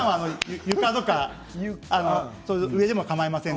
床とかでもかまいません。